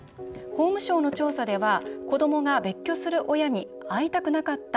法務省の調査では子どもが別居する親に「会いたくなかった」